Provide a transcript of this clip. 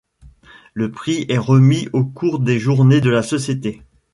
Le prix est remis au cours des journées de la société.